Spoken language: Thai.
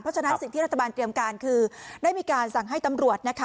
ฉะนั้นสิ่งที่รัฐบาลเตรียมการคือได้มีการสั่งให้ตำรวจนะคะ